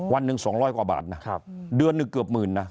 วันหนึ่ง๒๐๐กว่าบาทนะเดือนหนึ่งเกือบหมื่นนะ